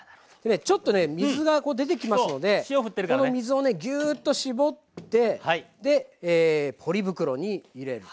ちょっとね水が出てきますのでこの水をギューッと絞ってでポリ袋に入れる。